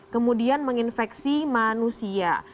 kemudian menginfeksi manusia